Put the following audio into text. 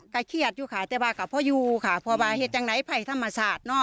กะเครียดอยู่ค่ะแต่ว่ากะเพราะอยู่ค่ะพอว่าเหตุจังหลายภัยธรรมศาสตร์เนอะ